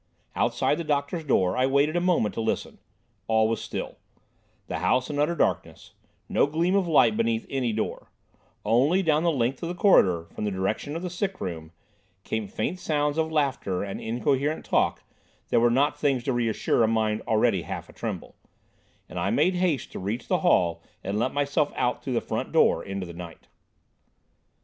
Outside the doctor's door I waited a moment to listen. All was still; the house in utter darkness; no gleam of light beneath any door; only, down the length of the corridor, from the direction of the sick room, came faint sounds of laughter and incoherent talk that were not things to reassure a mind already half a tremble, and I made haste to reach the hall and let myself out through the front door into the night.